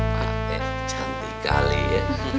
pak eh cantik kali ya